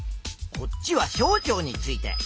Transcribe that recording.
こっちは小腸について。